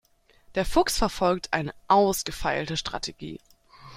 Der Fuchs verfolgt eine ausgefeilte Strategie.